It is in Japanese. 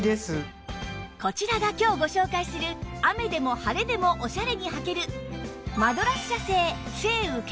こちらが今日ご紹介する雨でも晴れでもオシャレに履ける